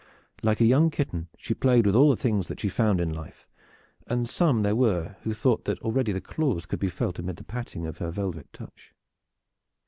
Like a young kitten she played with all things that she found in life, and some there were who thought that already the claws could be felt amid the patting of her velvet touch.